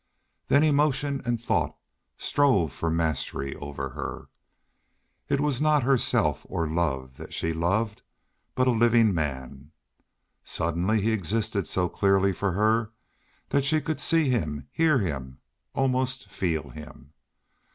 Then emotion and thought strove for mastery over her. It was not herself or love that she loved, but a living man. Suddenly he existed so clearly for her that she could see him, hear him, almost feel him.